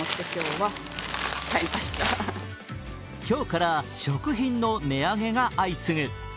今日から食品の値上げが相次ぐ。